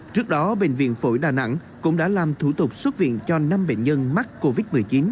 trước đó bệnh viện phổi đà nẵng cũng đã làm thủ tục xuất viện cho năm bệnh nhân mắc covid một mươi chín